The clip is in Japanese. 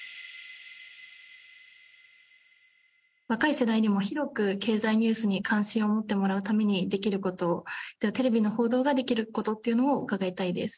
「若い世代にも広く経済ニュースに関心を持ってもらうためにできる事テレビの報道ができる事っていうのを伺いたいです」